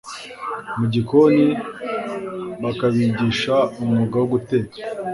mu gikoni, bakabigisha umwuga wo guteka.